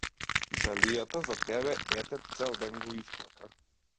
Далијата за тебе, ете, цел ден го исплака.